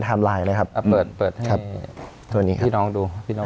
ไทม์ไลน์เลยครับอ่ะเปิดเปิดครับตัวนี้ครับพี่น้องดูพี่น้อง